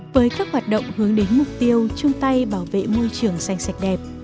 với các hoạt động hướng đến mục tiêu chung tay bảo vệ môi trường xanh sạch đẹp